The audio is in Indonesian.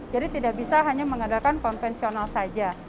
jadi tidak bisa hanya mengadakan konvensional saja